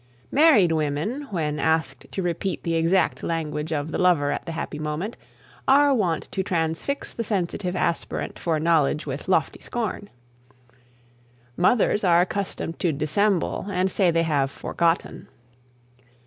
Married women, when asked to repeat the exact language of the lover at the happy moment, are wont to transfix the sensitive aspirant for knowledge with lofty scorn. Mothers are accustomed to dissemble and say they "have forgotten."